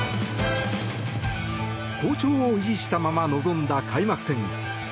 好調を維持したまま臨んだ開幕戦。